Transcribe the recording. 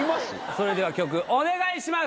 それでは曲お願いします！